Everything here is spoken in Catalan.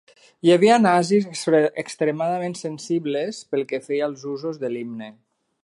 Hi havia nazis extremadament sensibles pel que feia als usos de l'himne.